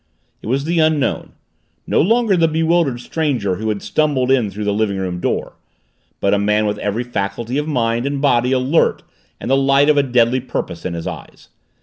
It was the Unknown no longer the bewildered stranger who had stumbled in through the living room door but a man with every faculty of mind and body alert and the light of a deadly purpose in his eyes.